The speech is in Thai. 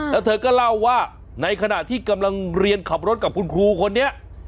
แล้วเธอก็เล่าว่าในขณะที่กำลังเรียนขับรถกับคุณครูคนนี้